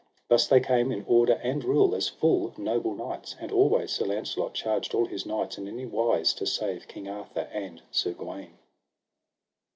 Thus they came in order and rule, as full noble knights; and always Sir Launcelot charged all his knights in any wise to save King Arthur and Sir Gawaine.